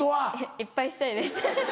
いっぱいしたいですハハハ。